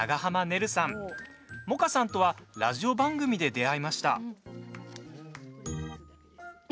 萌歌さんとはラジオ番組で出会いました。